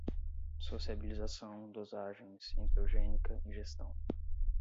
sociabilização, dosagens, enteogênica, ingestão